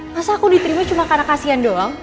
masa aku diterima cuma karena kasian doang